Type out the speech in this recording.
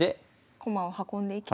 駒を運んでいけば。